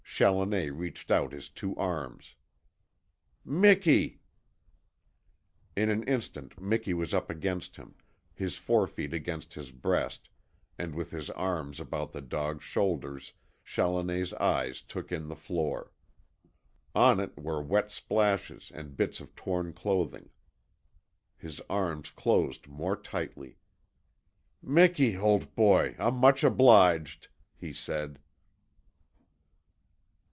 Challoner reached out his two arms. "Miki!" In an instant Miki was up against him, his forefeet against his breast, and with his arms about the dog's shoulders Challoner's eyes took in the floor. On it were wet splashes and bits of torn clothing. His arms closed more tightly. "Miki, old boy, I'm much obliged," he said.